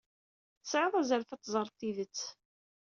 Tesɛid azref ad teẓred tidet.